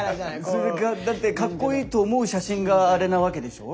それがだって格好いいと思う写真があれなわけでしょ？